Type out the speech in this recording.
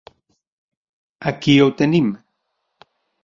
Aquí ho tenim.